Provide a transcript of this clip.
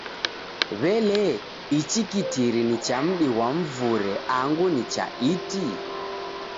W'ele ichi kitiri ni cha mdi ghwa mvure angu ni cha iti?